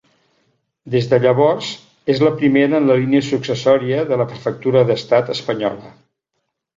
Des de llavors és la primera en la línia successòria de la prefectura d'Estat espanyola.